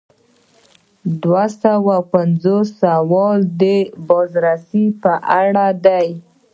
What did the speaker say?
دوه پنځوسم سوال د بازرسۍ په اړه دی.